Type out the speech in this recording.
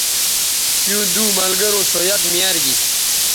تیوں دو ملگروں سو یک میار گی